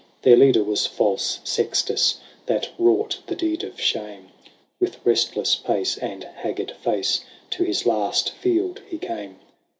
Their leader was false Sextus, That wrought the deed of shame : With restless pace and haggard face To his last field he came.